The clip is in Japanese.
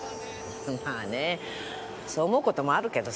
まぁねそう思う事もあるけど